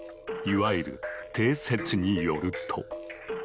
いわゆる「定説」によると。